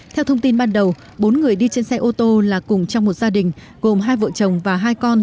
theo thông tin ban đầu bốn người đi trên xe ô tô là cùng trong một gia đình gồm hai vợ chồng và hai con